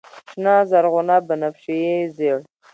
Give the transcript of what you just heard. شنه، زرغونه، بنفشیې، ژړ